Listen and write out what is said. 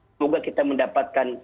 semoga kita mendapatkan